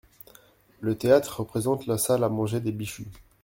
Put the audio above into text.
Le théâtre représente la salle à manger des Bichu.